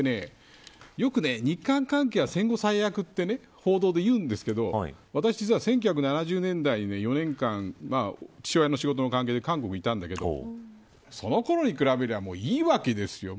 よく日韓関係は戦後最悪って報道で言うんですけど私、実は１９７０年代に４年間、父親の仕事の関係で韓国にいたんだけれどそのころに比べればいいわけですよ。